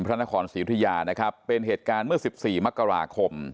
พระนครศรีอุทยานะครับเป็นเหตุการณ์เมื่อ๑๔มกราคม